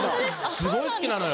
すごい好きなのよ。